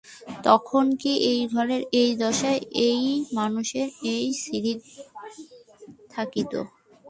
তখন কি এ ঘরের এই দশা, এ মানুষের এই ছিরি থাকিত।